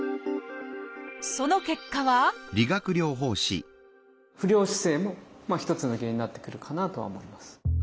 その結果は不良姿勢も一つの原因になってくるかなとは思います。